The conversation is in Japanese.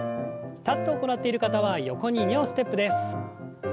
立って行っている方は横に２歩ステップです。